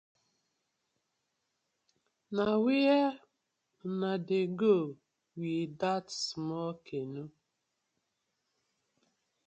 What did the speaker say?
Na where uno dey go wit dat small canoe?